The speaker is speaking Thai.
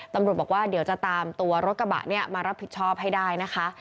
ตำรวจบอกว่าเดี๋ยวจะตามตัวรถกระบะเนี่ยมารับผิดชอบให้ได้นะคะ